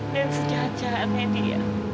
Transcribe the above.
dia gak pernah benar benar buang aku